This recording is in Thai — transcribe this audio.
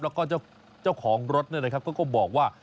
แล้วก็เจ้าของรถเขาก็บอกว่า